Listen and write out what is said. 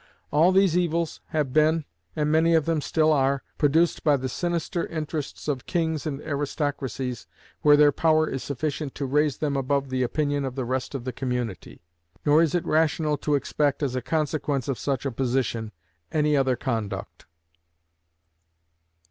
All these evils have been, and many of them still are, produced by the sinister interests of kings and aristocracies, where their power is sufficient to raise them above the opinion of the rest of the community; nor is it rational to expect, as a consequence of such a position, any other conduct.